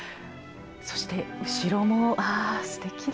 そして後ろもあすてきだな。